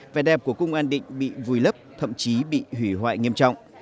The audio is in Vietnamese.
vẻ đẹp của cung an định bị vùi lấp thậm chí bị hủy hoại nghiêm trọng